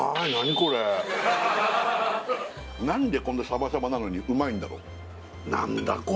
何でこんなシャバシャバなのにうまいんだろう何だ！？